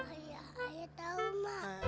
ayah ayah tahu mak